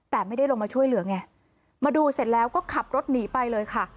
แต่ไม่ได้ลงมาช่วยเหลือไงมาดูเสร็จแล้วก็ขับรถหนีไปเลยค่ะ